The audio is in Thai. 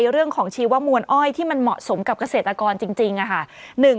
เรื่องของชีวมวลอ้อยที่มันเหมาะสมกับเกษตรกรจริงค่ะ